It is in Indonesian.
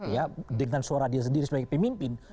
ya dengan suara dia sendiri sebagai pemimpin